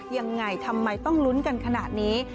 ยังไงทำไมต้องลุ้นกันขนาดนี้